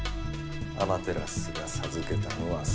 アマテラスが授けたのは「三種の神器」。